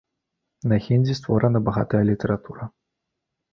На хіндзі створана багатая літаратура.